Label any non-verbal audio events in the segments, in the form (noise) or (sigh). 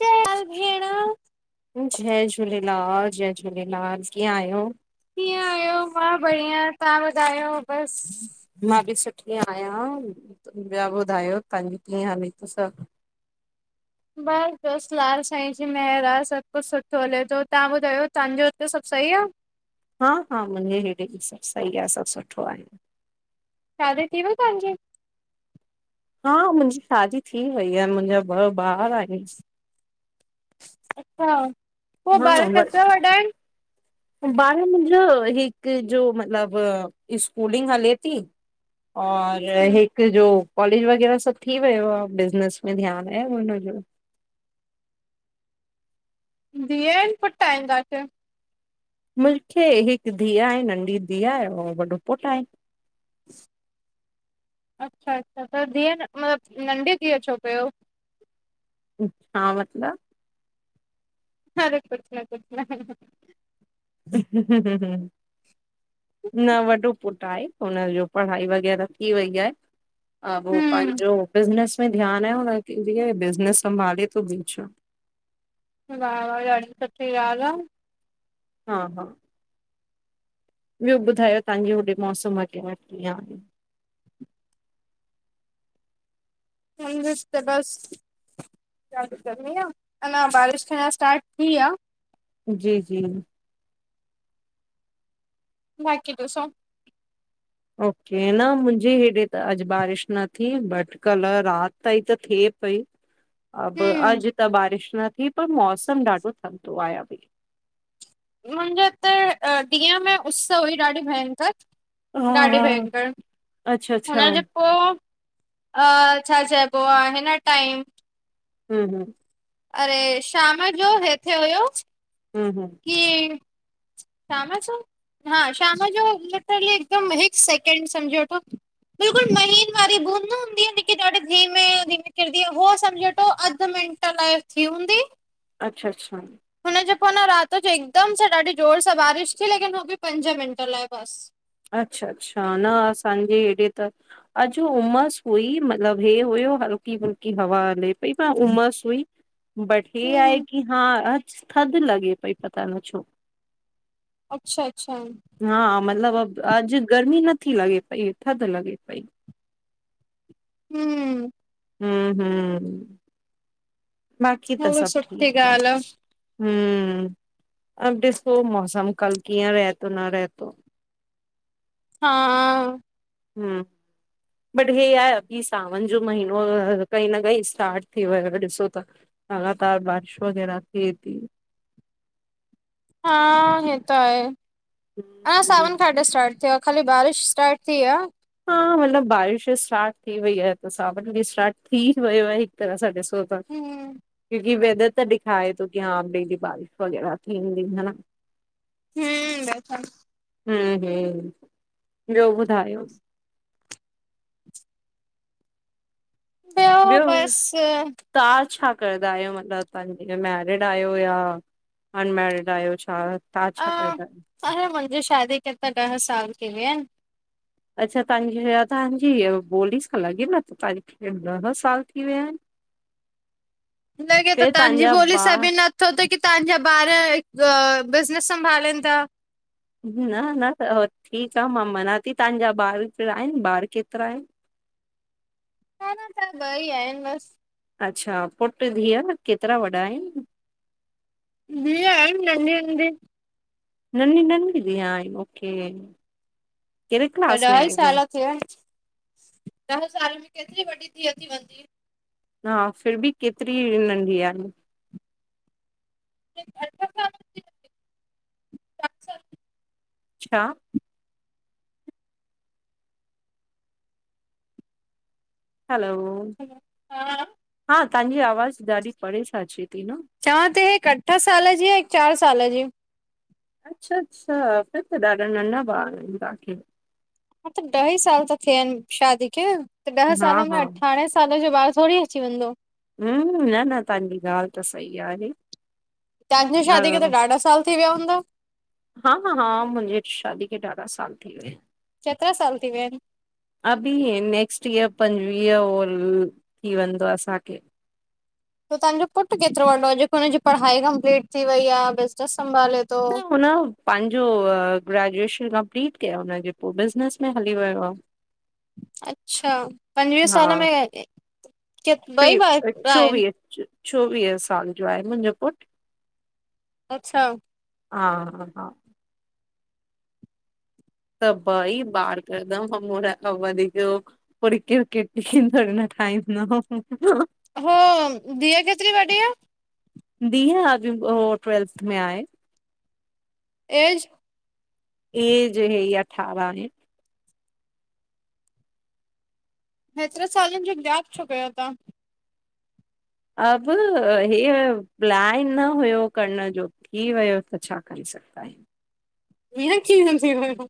चल भेण। जय झूलेलाल, जय झूलेलाल, कीअं आहियो? कीअं आयो? मां बढ़िया, तव्हां ॿुधायो बस मां बि सुठी आहियां। ॿिया ॿुधायो, तव्हांजी कीअं हले ती सभु? बसि-बसि लाल साईं जी महिर आह। सभु कुझु सुठो हले थो तव्हां ॿुधायो तव्हांजो हिते सभु सही आह। हा हा मुंहिंजे हेॾे बि सभु सही आह, सभु सुठो आहें। शादी थी वई तव्हां जी? हा मुंहिंजी शादी थी वई आह, मुंहिंजा ॿ ॿार आहिनि। अच्छा। मां (unintelligible) (inaudible) ॿारन मुंहिंजो हिकु जो मतलबु स्कूलिंग हले थी। और हम्म, हिकु जो कॉलेज वग़ैरह सभु थी वियो आह, बिज़नेस में ध्यानु आहे हुनजो। धीउ आहिन, पुट आहिन, तव्हांखे? मूंखे हिकु धीउ आहें, नंढी धीउ आहें, ऐं वॾो पुटु आहें। अच्छा, अच्छा त धीउ, मतलबु नंढी धीउ छो कयो? छा मतलबु? अरे कुझु न कुझु न न वॾो पुट आहें। हुनजो पढ़ाई वग़ैहिर थी वई आहे, ए हो हम्म पांजो बिजनेस में ध्यान आहें हुन खे लिये, बिज़नस संभाले तो ॿुयो छा? वाह-वाह ॾाढी सुठी ॻाल्हि आह। हा-हा। ॿियो ॿुधायो तव्हां जो होॾे मौसम अॻे वठी कीअं आह। (unintelligible) बस। त अॼु गर्मी आह, अञा बारिश थ्याहिन्न स्टार्ट थी आह। जी, जी। बाक़ी ॾिसो। ओके न मुंहिंजे हेॾे त अॼु बारिश न थी बट कल रात ताईं त थिए पई (inaudible) अब हम्म अॼु त बारिश न थी पर मौसम ॾाडो थधो आ भई मुंहिंजे हिते ॾींहं में उस हुई ॾाडी भयंकर हा ॾाडी हा भयंकर अच्छा अच्छा हुन जे हम्म पो छा चइबो आ हिन टाइम हुं अरे शाम जो हेते हुयो हुं हुं की शाम जो हा शाम जो लिटरली हिक महज सेकेंड समझी वठो बिलकुल महीन वारी बूंद न हूंदी आ जेकी ॾाडे धीमे धीमे किरदी आ हो समझ वठो अध मि लाइक थी हूंदी अच्छा अच्छा हुनजे पोए न रात जो हिकदम सां ॾाडी जोर सां बारिश थी लेकिन हू बि पंज मिंट लाए बस अच्छा अच्छा न असांजे हेॾे त अॼु उमस हुई मतलब हे हुयो हलकी फुलकी हवा हले पई पर उमस हुई बट हे आहे हम्म की हा अॼु थध लॻे पई पता न छो अच्छा अच्छा हा मतलब अॼु गर्मी नथी लॻे पई थध लॻे पई हुं हुं हुं बाक़ी त उहो सभ सुठी ठीक आहे ॻाल्हि हुं अब ॾिसो मौसम कल कीअ रहे थो न रहे थो हा हुं बट हे आहे अभी सावन जो महीनो आए पई न पई स्टार्ट थी वयो त ॾिसो था लॻातार बारिश पवंदी आ रात ॾीह हा हे त आहे अ हम्म, सावन खा स्टार्ट थियो आ। खाली बारिश स्टार्ट थी आ हा मतलब बारिश स्टार्ट थी वई आ त सावन भी स्टार्ट थी वयो आ हिक तरह सां ॾिसो हम्म (unintelligible) हे वेदर त दिखारे थो की हा पहंदी बारिश वगैरह थिंडी हा न हुं हुं हुं ॿियो ॿुधायो ॿियो। तां छा कंदा आहियो मतलब तवां मेरिड आहियो या अनमैरिड आहियो छा तव्हां अ छा कंदा आहियो? अरे मुंहिंजी शादी खे त ॾह साल थी विया आहिन अच्छा तांजी तांजी इहा ॿोली सां लॻे नथो तांखे ॾह साल थी विया आहिन लॻे त तांजी तव्हांजा ॿोली सां ॿार भी न छो त की तवां जा ॿार बिज़नेस संभालिन पिया न न ठीक आ। मां मञा थी तांजा ॿार कहिड़ा आहिन ॿार केतरा आहिन ॿ ई आहिन बस अच्छा पुट धीअ न, केतिरा वॾा आहिन धीअ आहे नंढी नंढी ननी ननी धीअ आऐ ओके कहिड़े क्लास त में ॾहई आहे? सालु थिया अच, ॾह सालु में केतिरी वॾी थी अची वञदी। हा फिर बि केतिरी नंढी आहिनि। की अठं सालु थीया आहिनि, ज्यादा? छा? हलोअ ह हा हा ताहांजी आवाज़ ॾाढी परे सां अचे ती न। चवां ती हिकु अठ साल जी आ, हिकु चार साल जी। अच्छा अच्छा फिर त ॾाडा नंढा ॿार आहिनि तहांखे। हा त ॾही साल त थिया आहिन शादी खे, त ॾह हा सालु में हा अठारहें सालु जो ॿार थोडीअ। अची वेंदो हूंम न न तांजी ॻाल्हि त सही आहे। तांजी हा शादी खे त ॾाढा साल थी विया हूंदा? हा हा हा मुंहिंजी शादी खे ॾाढा साल थी विया आहिनि। केतिरा सालु थी विया आहिनि? अभी हे नेक्स्ट ईयर पंजवीह ओर थी वेंदो असांखे। त तव्हांजो पुट केतरो वॾो आ, जेको हुनजी पढ़ाई कंपलीट थी वई आ, बिज़नस संभाले तो? त हुन पांजो ग्रेजुएशन कंपलीट कयो हुनजे पो बिज़नस में हली वियो आ। अच्छा पंजवीह हा साल में, के ॿई ॿार आहिनि। अच्छा चोवींह साल जो आहे मुंहिंजो पुट। अच्छा हा हा त ॿई ॿार कदम अ पो (unintelligible) पर केरु कीटी थोडी न ठाईंदो। हो धीअ केत्री वॾी आ? धीह अभी वो ट्वेल्थ में आहे। ऐज? ऐज हे ई अठारा हे हेतिरे सालनि जो गैप छो कयो तां? अब हे प्लान न हुयो करणु जो। थी वियो, त छा करे सघंदा आहियूं। हिय कीय थी वयूं?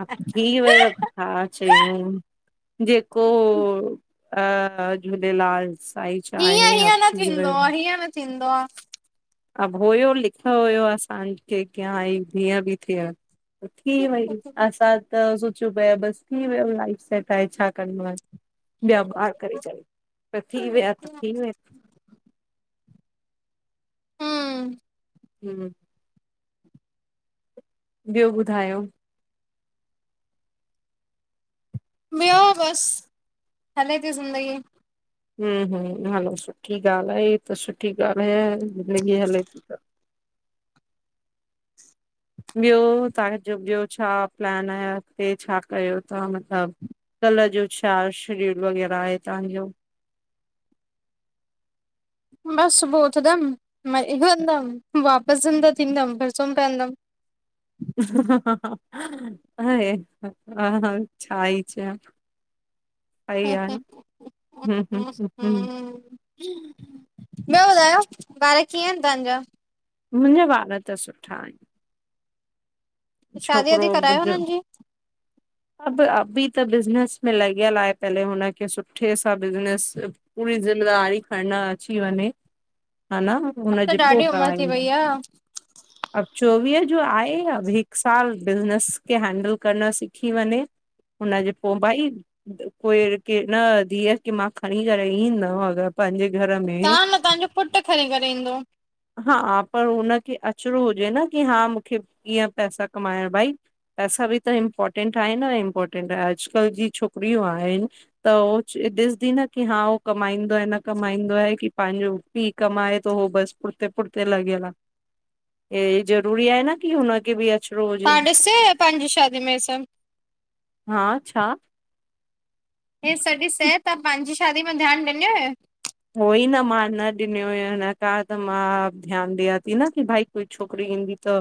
हा थी वयो हा चयूं जेको अ ह झूलेलाल साईं हीअं चाहे अब हीअं न थी थींदो आ, वियो। हीअं न थींदो आ। अब होयो लिखियो हुयो असांखे की हिकु धीअ बि थिय। त थी वई असां त सोचियो पिए बसि थी वयो लाईफ सेट आहे छा करिणो आ। ॿिया ॿार करे करे, त थी विया त थी विया। हूं हम्म ॿियो ॿुधायो? ॿियो बसि हले ती ज़िंदगी। हूं हूं हलो सुठी ॻाल्हि आहे, हीअं त सुठी ॻाल्हि ह ज़िंदगी हले ती त। ॿयो, तहांजो ॿयो छा प्लान आहे, अॻते छा कयो था मतलब? कल जो, छा शिड्यूल वग़ैरा आहे तहांजो? बस, सुभू उथदम मां हे कंदम वापस अंदर थींदम फिर सुम पैंदम। अरे, हा, छा ई चां। अरे यार, हूं हूं, हूं हूं ॿयो ॿुधायो, ॿार कीअं एन तांजा? मुंजा ॿार त सुठा आन। त शादी वादी करायो मुंहिंजो उनन जी। अब, अबी त बिज़नस में लॻयल आहे, पहले हुनखे सुठे सां बिज़नेस पूरी जिमेदारी खणण अची वञे, हा न? अब त हुनजे पो ॾाढी उमिरि थी वई कराईंदम। आ, अब चोवीह जो आहे, अब हिक साल बिज़नेस खे हैंडल करण सिख सिखी वनें, हुनजे पो भाई। कोई कै, न धीअ खे मां खणी करे ईंदम अगर पांजे घर में तां न, तांजो पुट खणी करे ईंदो। हा, पर हुनखे अचणो हुजे न, की हा मूंखे कीअं पैसा कमाइण, भाई। पैसा बि त इम्पोर्टेंट आहे न इम्पोर्टेंट आहे, अॼ कल् जी छोकरयूं आहिन त ओ ॾिसदी न, की हा, हो कमाईंदो आहे, न कमाईंदो आहे की पांजो पी कमाए तो, हो बस पुठते पुठ्ते लॻयल आ। (unintelligible) हे ज़रूरी आहे न की हुनखे बि अच तां ॾिसयो हो, पांजी शादी में हे सब? हां, छा? हे सॾी सैं, तां पांजी शादी में ध्यान ॾिन्यूं हुयूं? उहोई न मां न ॾिंन्यूं हुयूं न, इन कांण त मां ध्यान ॾियां ती न की भाई कोई छोकरी ईंदी त,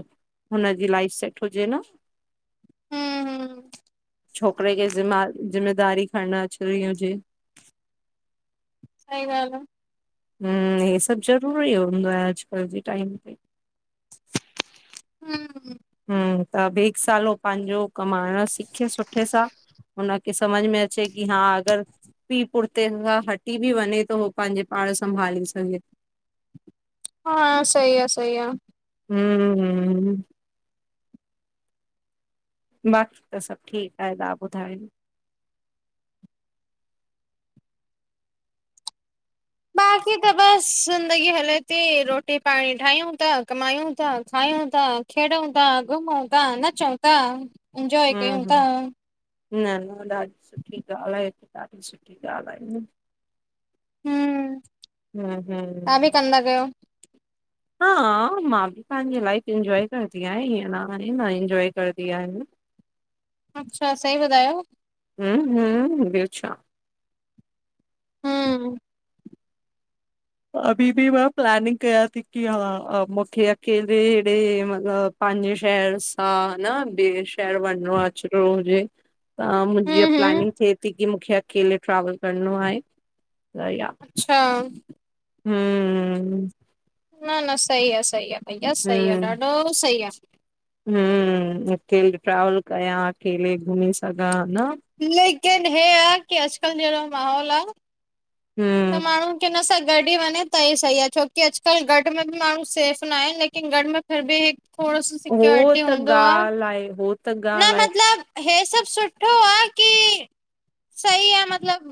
हुनजी लाइफ सेट हुजे न। हूं हूं छोकरे खे, ज़िम्मा, ज़िम्मेदारी खणण अचणी हुजे। सही ॻाल् आ। हूं, हे सभ ज़रूरी हूंदो आहे, अॼ कल् जे टाइम ते। हूं हूं, त अब एक साल हो पांजो कमाइण सिखे सुठे सां। हुनखे समझ में अचे की हा अगर पी पुठ्ते हटी बि वञे तो, हो पाजे पाण संभाले सघे। हा, सही आ, सही आ। हूं, हूं हूं बाक़ी त सभ ठीक आहे, तहां ॿुधायो? बाक़ी त बस ज़िंदगी हले ती, रोटी पाणी ठायूं ता, कमायूं ता, खायूं था। खेॾूं ता, घुमूं ता, नचूं ता। हूं हूं न न, ॾाढी सुठी ॻाल्ह आहे, ते ॾाढी सुठी ॻाल्ह आहे। राधे राद (unintelligible) न कयो हा मां बि पाहंजी लाइफ इंजॉय करदी आहियां इअं न आहे न इंजॉय करदी आहियां। अच्छा सही ॿुधायो? हम्म हम्म ब्यो छा हम्म अभी बि मां प्लॅेनिंग कयां थी कि हा मूंखे अ केर ॾे ॾेमतलब पहान्जे शहर सां न बे शहर वञणो अचणो हुजे त मुंहिंजी हिय हम्म हम्म प्लेनिंग थे ती की मूंखे अकेले ट्रेवल करणो आहे त या अच्छा हम्म न न सही आ सही आ भईया सही आ हम्म ॾाढो सही आ हम्म अकेले ट्रेवल कयां अकेले घुमी सघां न? लेकिन हे आ कि अॼुकल्ह जहिड़ो माहौल आ त हम्म, माण्हू कंहिंन सां गॾु ई वञे त ई सही आ छो कि अजकल्ह गॾ में भी माण्हू सेफ न आहिन लेकिन गॾ में फिर भी थोड़ो सो सिक्योरिटी हूंदो आ। लाए हो तॻ न मतलब हेअ सॿ सुठो आ कि सही आ मतलब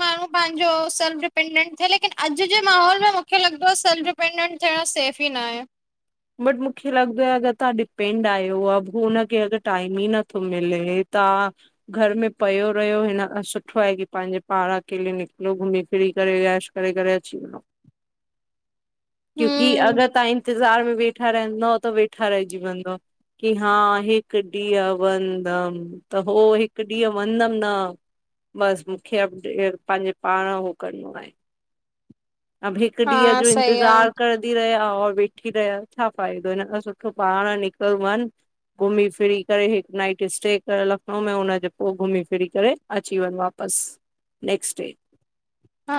माण्हू पाहिंजो सेल्फ डिपेंडेंट थिए लेकिन अॼु जे माहौल में मूंखे लॻंदो आ सेल्फ डि डिपेंडेंट थियण सेफ ई न आहे बट मूंखे लॻंदो आह अगर तव्हां डिपेंड आहियो औं अब हुनखें अगर टाइम ई नथो मिले तव्हां घर में पयो रहियो हिन खां सुठो आहे कि पांहिंजे पाण अकेले निकिरो घुमी फिरी करे ऐश करे करे अची वञ (inaudible) क्योंकि हम्म अगर तव्हां इंतज़ार में वेठा रहंदव त वेठा रहजी वेंदव कि हा हिकु डीहुं वहंदम त हो हिकु ॾींहं वहंदम न बस मूंखे अपडेट पांहिंजे पाण उहो करिणो आहे (inaudible) अभी हिकु हा ॾींहं जो सही आहे इंतज़ार करंदी रहे आ और वेठी रहे आ छा फ़ायदो, हिन खां सुठो पाण निकुर वञ घुमी फिरी करे हिकु नाइट स्टे करे लखनऊ में हुनजे पो घुमी फिरी करे अची वञ वापसि नेक्स्ट डे हा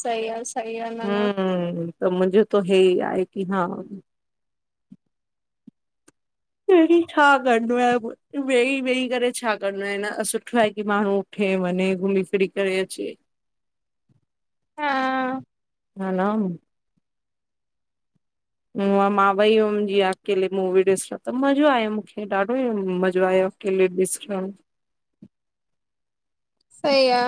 सही आहे सही आहे न न हम्म हम्म हम्म त मुंहिंजो त हे आहे कि हा वेही छा करणो आ वेही वेही करे छा करणो आहे न हिनखां सुठो आहे कि माण्हू खे वने घुमी फिरी करे अचे। (inaudible) ह ना म उम्म मां मां वई हुयमि जीअं अकेले मूवी ॾिसण त मज़ो आयो मूंखे ॾाढो ई मज़ो आयो कि्लप ॾिसंदाउ (unintelligible) सही आ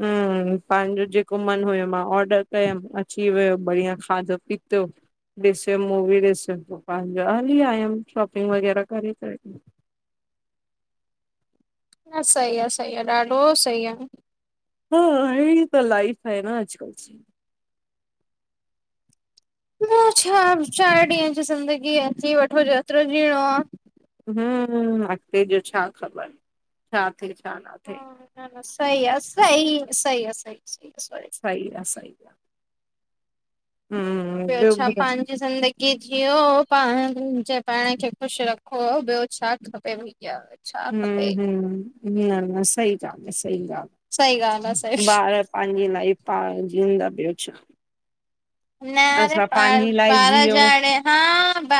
हम्म पांहिंजो जेको मन हुयो मां ऑर्डर कयमि अची वियो बढ़िया खाधो पीतो ॾिसयम मूवी ॾिसयम, पांजा हली आयम शॉपिंग वग़ैरह करे करे। न सही आ, सही आ ॾाढो सही आ। हा, हेयड़ी त लाइफ़ आये न अजकल जी। ॿियो छा, चार ॾींयन जी ज़िंदगी आ ॼी वठो जेतरो जियणो आ। हम्म उम्म, अॻते जो छा ख़बर छा थेए छा न थेए। न-न सही आ, सही सही आ, सही सही स सही आ, सही आ। हम्म ॿियो छा ॿुधायो पाण पांॼी ज़िंदगी जिओ पांजे पाण खे ख़ुशिश रखो ॿियो छा खपेव। ये क्या आ रहा है? हम्म हम्म, न-न सही ॻाल आ, सही ॻाल, सही ॻाल्हि आ हम्म सही ॿार पांजी लाइफ़ पाण जीयंदा, ॿियो छा। न अरे असां पांजी लाइफ़ ॿार जीयऊं। ॼाणे हा